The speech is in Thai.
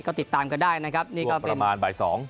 ก็ติดตามกันได้นะครับนี่ก็ประมาณบ่าย๒